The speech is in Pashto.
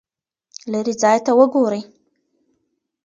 لیرې ځای ته وګورئ.